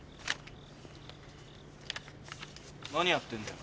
何やってんだよ？